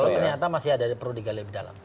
kalau ternyata masih ada perudiga lebih dalam